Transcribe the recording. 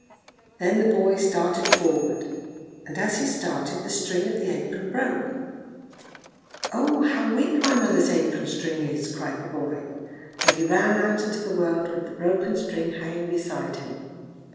Then the boy started forward, and as he started, the string of the apron broke. "Oh! how weak my mother's apron string is!" cried the boy; and he ran out into the world, with the broken string hanging beside him.